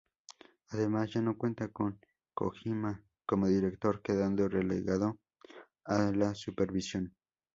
Además, ya no cuenta con Kojima como director, quedando relegado a la supervisión.